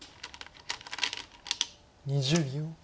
２０秒。